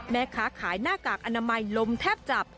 แม่ค้าขายหน้ากากอนามัยลมแทบจับ